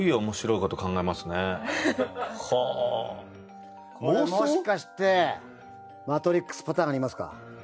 これもしかして『マトリックス』パターンありますか？